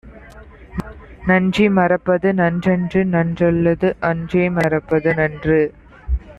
நன்றி மறப்பது நன்றன்று; நன்றல்லது அன்றே மறப்பது நன்று.